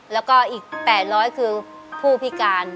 แล้วก็อีก๘๐๐คือผู้พิการ